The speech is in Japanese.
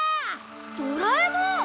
ドラえもん！